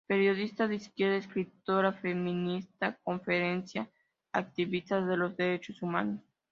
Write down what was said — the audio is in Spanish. Periodista de izquierda, escritora, feminista, conferencista, activista de los derechos humanos.